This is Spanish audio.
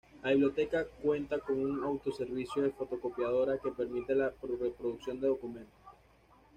La Biblioteca cuenta con un autoservicio de fotocopiadora que permite la reproducción de documentos.